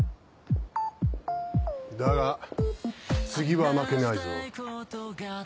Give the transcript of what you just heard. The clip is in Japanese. だが次は負けないぞ。